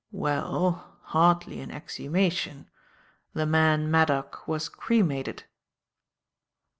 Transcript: "Well, hardly an exhumation. The man Maddock was cremated."